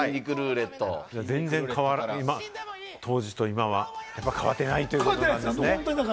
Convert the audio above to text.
当時と今はやっぱ変わってないということですね。